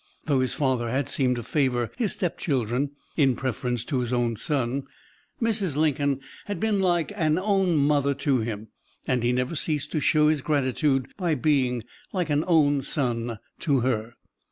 Though his father had seemed to favor his stepchildren in preference to his own son, Mrs. Lincoln had been "like an own mother to him," and he never ceased to show his gratitude by being "like an own son to her."